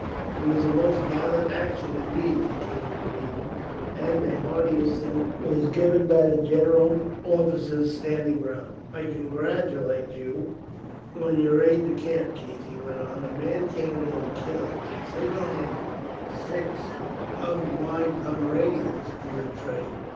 "It was a most gallant action, indeed," the king repeated; and a hearty assent was given by the general officers standing round. "I congratulate you on your aide de camp, Keith," he went on. "A man capable of killing, single handed, six of my Pomeranians is a treasure.